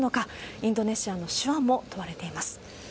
インドネシアの手腕も問われています。